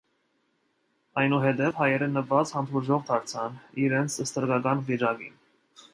Այնուհետեւ հայերը նուազ հանդուրժող դարձան իրենց ստրկական վիճակին։